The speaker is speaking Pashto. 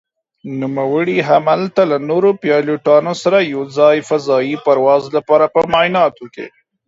نوموړي هملته له نورو پيلوټانو سره يو ځاى فضايي پرواز لپاره په معايناتو کې